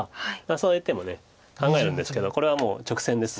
そういう手も考えるんですけどこれはもう直線です。